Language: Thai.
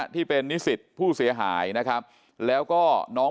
ที่เป็นนิสิตผู้เสียหายนะครับแล้วก็น้อง